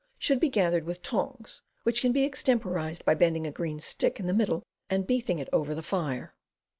Should be gathered with tongs, which can be extemporized by bending a green stick in the middle and beathing it over the fire.